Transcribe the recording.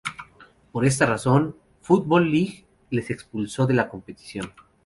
Por esta razón la "Football League" les expulsó de la competición.